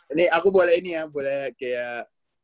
ini aku boleh ini ya boleh kayak